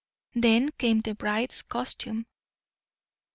Then came the bride's costume.